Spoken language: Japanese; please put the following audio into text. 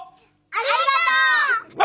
ありがとう。